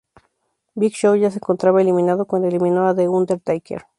Big Show ya se encontraba eliminado cuando eliminó a The Undertaker.